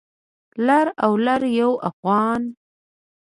لر او لر یو افغان